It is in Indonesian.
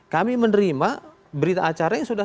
kami menerima berita acara yang sudah